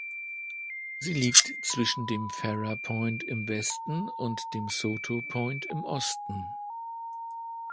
Sie liegt zwischen dem Ferrer Point im Westen und dem Sotos Point im Osten.